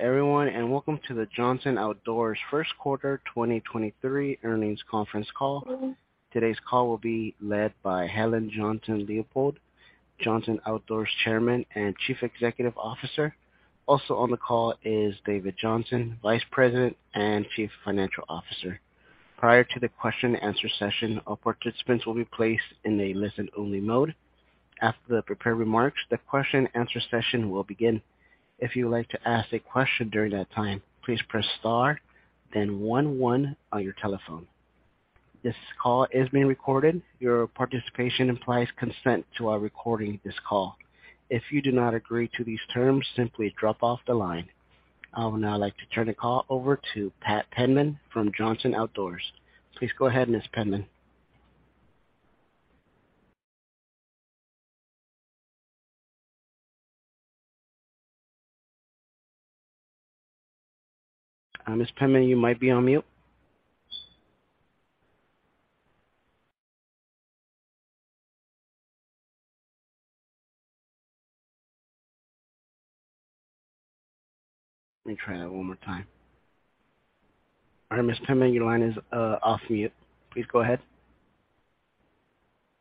Everyone, welcome to the Johnson Outdoors first quarter 2023 earnings conference call. Today's call will be led by Helen Johnson-Leipold, Johnson Outdoors Chairman and Chief Executive Officer. Also on the call is David Johnson, Vice President and Chief Financial Officer. Prior to the question answer session, all participants will be placed in a listen-only mode. After the prepared remarks, the question answer session will begin. If you would like to ask a question during that time, please press star, then one one your telephone. This call is being recorded. Your participation implies consent to our recording this call. If you do not agree to these terms, simply drop off the line. I would now like to turn the call over to Pat Penman from Johnson Outdoors. Please go ahead, Ms. Penman. Ms. Penman, you might be on mute. Let me try that one more time. All right, Ms. Penman, your line is off mute. Please go ahead.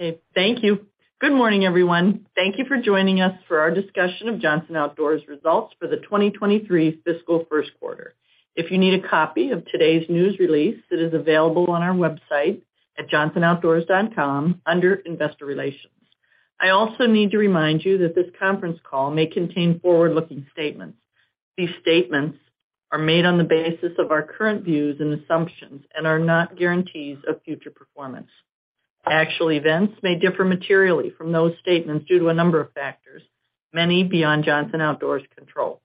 Okay. Thank you. Good morning, everyone. Thank you for joining us for our discussion of Johnson Outdoors results for the 2023 fiscal first quarter. If you need a copy of today's news release, it is available on our website at johnsonoutdoors.com under Investor Relations. I also need to remind you that this conference call may contain forward-looking statements. These statements are made on the basis of our current views and assumptions and are not guarantees of future performance. Actual events may differ materially from those statements due to a number of factors, many beyond Johnson Outdoors' control.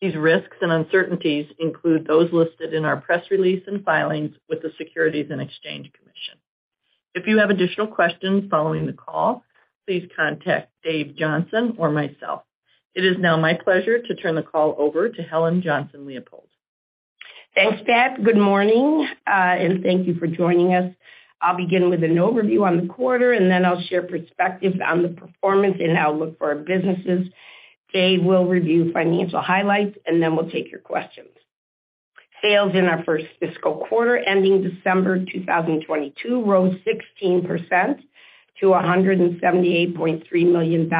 These risks and uncertainties include those listed in our press release and filings with the Securities and Exchange Commission. If you have additional questions following the call, please contact Dave Johnson or myself. It is now my pleasure to turn the call over to Helen Johnson-Leipold. Thanks, Pat. Good morning, and thank you for joining us. I'll begin with an overview on the quarter, then I'll share perspective on the performance and outlook for our businesses. Dave will review financial highlights, then we'll take your questions. Sales in our first fiscal quarter ending December 2022 rose 16% to $178.3 million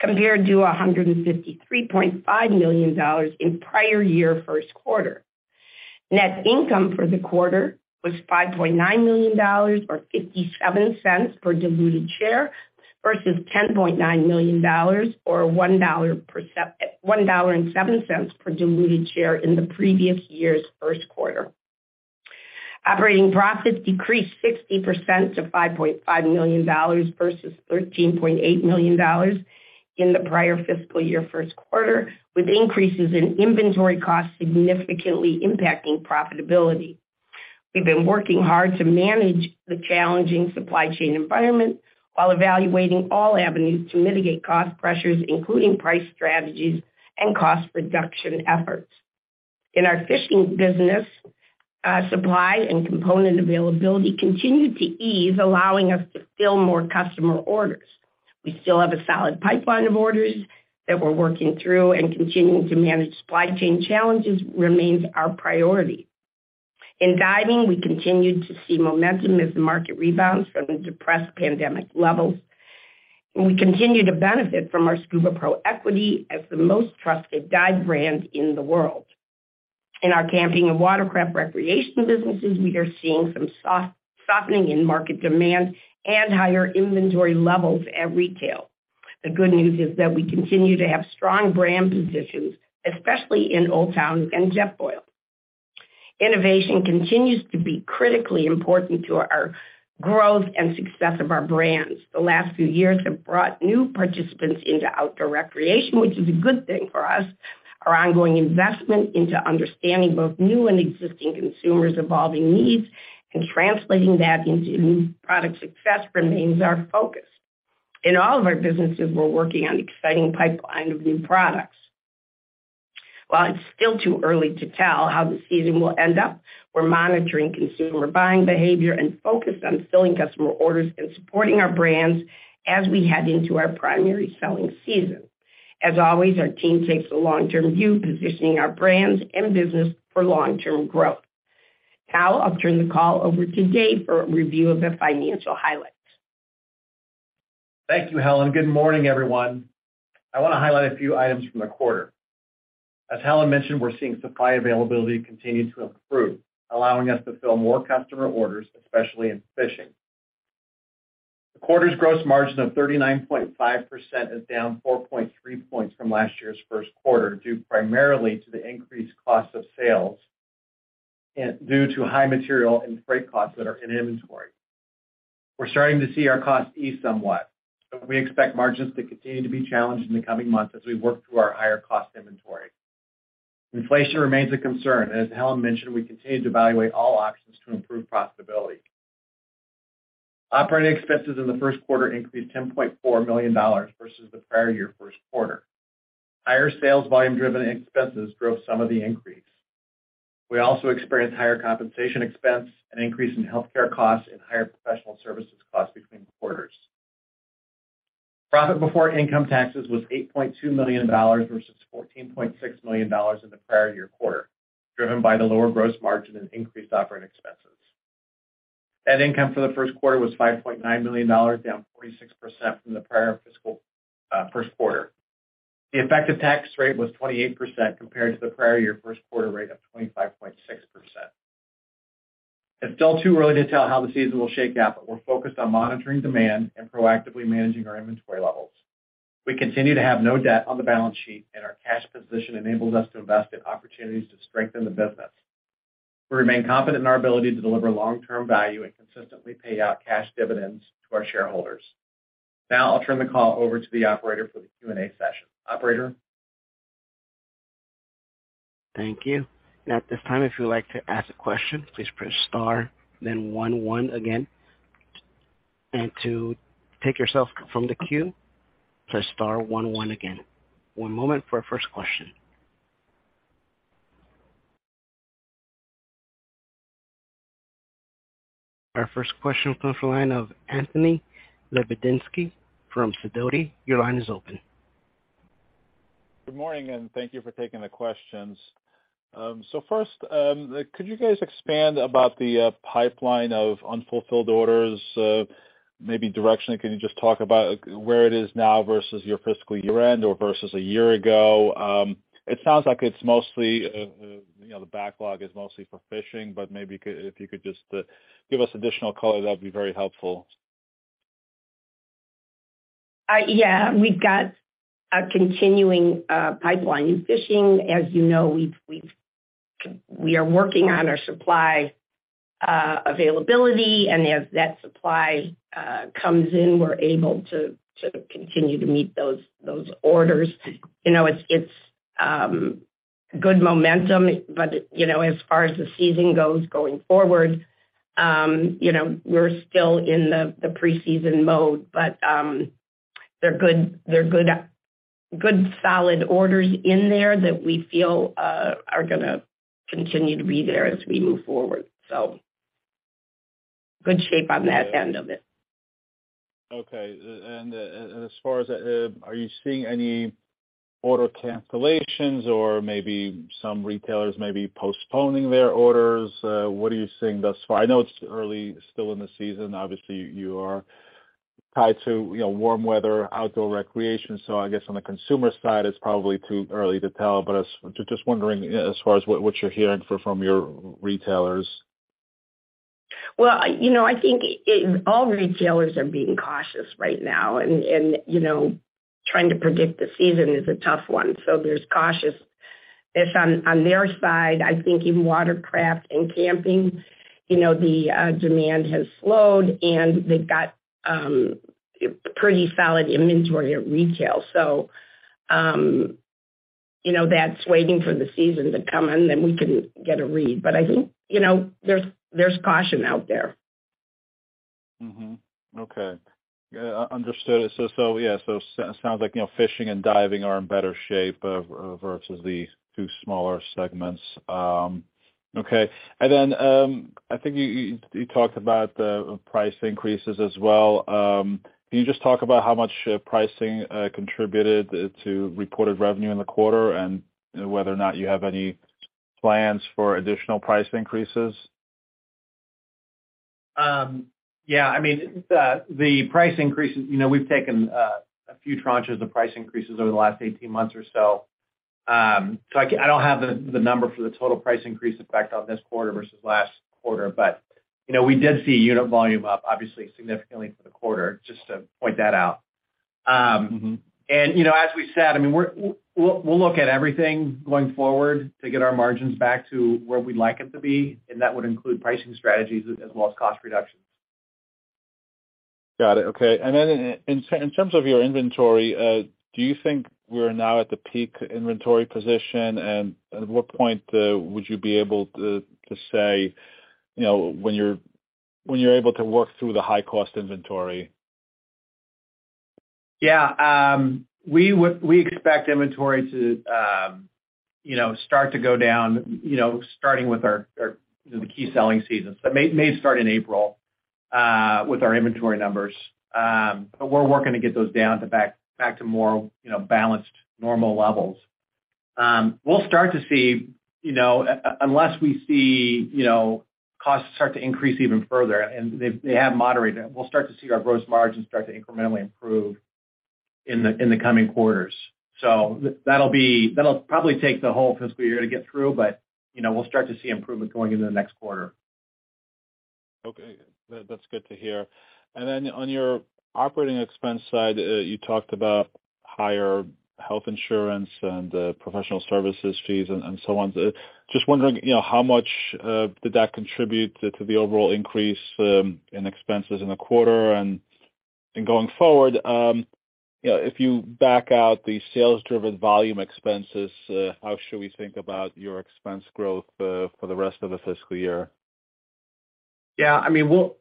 compared to $153.5 million in prior year first quarter. Net income for the quarter was $5.9 million or $0.57 per diluted share versus $10.9 million or $1.07 per diluted share in the previous year's first quarter. Operating profits decreased 60% to $5.5 million versus $13.8 million in the prior fiscal year first quarter, with increases in inventory costs significantly impacting profitability. We've been working hard to manage the challenging supply chain environment while evaluating all avenues to mitigate cost pressures, including price strategies and cost reduction efforts. In our fishing business, supply and component availability continued to ease, allowing us to fill more customer orders. We still have a solid pipeline of orders that we're working through, and continuing to manage supply chain challenges remains our priority. In diving, we continued to see momentum as the market rebounds from the depressed pandemic levels. We continue to benefit from our SCUBAPRO equity as the most trusted dive brand in the world. In our camping and watercraft recreation businesses, we are seeing some softening in market demand and higher inventory levels at retail. The good news is that we continue to have strong brand positions, especially in Old Town and Jetboil. Innovation continues to be critically important to our growth and success of our brands. The last few years have brought new participants into outdoor recreation, which is a good thing for us. Our ongoing investment into understanding both new and existing consumers' evolving needs and translating that into new product success remains our focus. In all of our businesses, we're working on exciting pipeline of new products. While it's still too early to tell how the season will end up, we're monitoring consumer buying behavior and focused on filling customer orders and supporting our brands as we head into our primary selling season. As always, our team takes a long-term view, positioning our brands and business for long-term growth. Now I'll turn the call over to Dave for a review of the financial highlights. Thank you, Helen. Good morning, everyone. I want to highlight a few items from the quarter. As Helen mentioned, we're seeing supply availability continue to improve, allowing us to fill more customer orders, especially in fishing. The quarter's gross margin of 39.5% is down 4.3 points from last year's first quarter, due primarily to the increased cost of sales and due to high material and freight costs that are in inventory. We're starting to see our costs ease somewhat, we expect margins to continue to be challenged in the coming months as we work through our higher cost inventory. Inflation remains a concern, as Helen mentioned, we continue to evaluate all options to improve profitability. Operating expenses in the first quarter increased $10.4 million versus the prior year first quarter. Higher sales volume-driven expenses drove some of the increase. We also experienced higher compensation expense, an increase in healthcare costs, and higher professional services costs between quarters. Profit before income taxes was $8.2 million versus $14.6 million in the prior-year quarter, driven by the lower gross margin and increased operating expenses. Net income for the first quarter was $5.9 million, down 46% from the prior fiscal first quarter. The effective tax rate was 28% compared to the prior-year first quarter rate of 25.6%. It's still too early to tell how the season will shake out. We're focused on monitoring demand and proactively managing our inventory levels. We continue to have no debt on the balance sheet. Our cash position enables us to invest in opportunities to strengthen the business. We remain confident in our ability to deliver long-term value and consistently pay out cash dividends to our shareholders. Now I'll turn the call over to the operator for the Q&A session. Operator? Thank you. At this time, if you would like to ask a question, please press star then one again. To take yourself from the queue, press star one one again. One moment for our first question. Our first question comes from the line of Anthony Lebiedzinski from Fidelity. Your line is open. Good morning, and thank you for taking the questions. First, could you guys expand about the pipeline of unfulfilled orders? Maybe directionally, can you just talk about where it is now versus your fiscal year end or versus a year ago? It sounds like it's mostly, you know, the backlog is mostly for fishing, but maybe if you could just give us additional color, that'd be very helpful. Yeah. We've got a continuing pipeline in fishing. As you know, we are working on our supply availability, and as that supply comes in, we're able to continue to meet those orders. You know, it's good momentum, but, you know, as far as the season goes going forward, you know, we're still in the preseason mode. They're good solid orders in there that we feel are gonna continue to be there as we move forward. Good shape on that end of it. Okay. As far as, are you seeing any order cancellations or maybe some retailers postponing their orders? What are you seeing thus far? I know it's early still in the season. Obviously, you are tied to, you know, warm weather, outdoor recreation. I guess on the consumer side, it's probably too early to tell. I was just wondering as far as what you're hearing from your retailers. Well, you know, I think all retailers are being cautious right now and, you know, trying to predict the season is a tough one. There's cautiousness on their side. I think in watercraft and camping, you know, the demand has slowed, and they've got pretty solid inventory at retail. You know, that's waiting for the season to come, and then we can get a read. I think, you know, there's caution out there. Okay. Yeah, understood. Sounds like, you know, fishing and diving are in better shape versus the two smaller segments. Okay. I think you talked about the price increases as well. Can you just talk about how much pricing contributed to reported revenue in the quarter and whether or not you have any plans for additional price increases? Yeah. I mean, the price increases, you know, we've taken a few tranches of price increases over the last 18 months or so. I don't have the number for the total price increase effect on this quarter versus last quarter. You know, we did see unit volume up obviously significantly for the quarter, just to point that out. Mm-hmm. You know, as we said, I mean, we'll look at everything going forward to get our margins back to where we'd like them to be, and that would include pricing strategies as well as cost reductions. Got it. Okay. Then in terms of your inventory, do you think we're now at the peak inventory position? At what point would you be able to say, you know, when you're able to work through the high-cost inventory? Yeah. We expect inventory to, you know, start to go down, you know, starting with our, the key selling seasons. May start in April, with our inventory numbers. But we're working to get those down to back to more, you know, balanced, normal levels. We'll start to see, you know. Unless we see, you know, costs start to increase even further, and they have moderated, we'll start to see our gross margins start to incrementally improve in the, in the coming quarters. That'll probably take the whole fiscal year to get through, but, you know, we'll start to see improvement going into the next quarter. Okay. That's good to hear. Then on your operating expense side, you talked about higher health insurance and professional services fees and so on. Just wondering, you know, how much did that contribute to the overall increase in expenses in the quarter? Going forward, you know, if you back out the sales-driven volume expenses, how should we think about your expense growth for the rest of the fiscal year? Yeah. I mean, we'll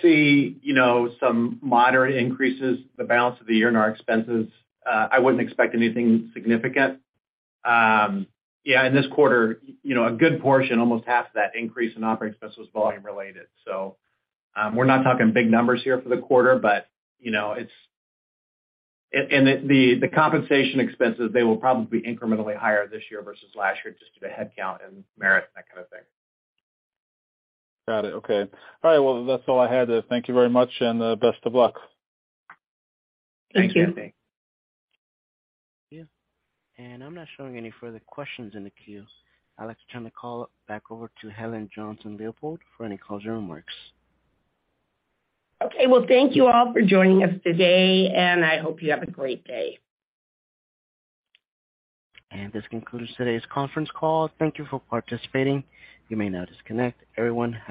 see, you know, some moderate increases the balance of the year in our expenses. I wouldn't expect anything significant. Yeah, in this quarter, you know, a good portion, almost half of that increase in operating expense was volume related. We're not talking big numbers here for the quarter, but, you know, it's... The compensation expenses, they will probably be incrementally higher this year versus last year just due to headcount and merit and that kind of thing. Got it. Okay. All right, well, that's all I had. Thank you very much, and best of luck. Thank you. Thank you. I'm not showing any further questions in the queue. I'd like to turn the call back over to Helen Johnson-Liepold for any closing remarks. Okay. Well, thank you all for joining us today. I hope you have a great day. This concludes today's conference call. Thank you for participating. You may now disconnect. Everyone have a-